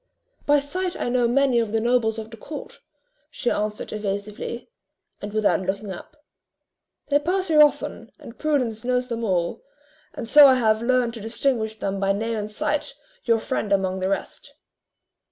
"By sight I know many of the nobles of the court," she answered evasively, and without looking up: "they pass here often, and Prudence knows them all; and so I have learned to distinguish them by name and sight, your friend among the rest."